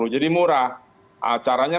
jadi murah caranya